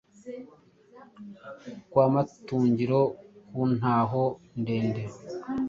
Kwa Matungiro ku Ntaho-ndende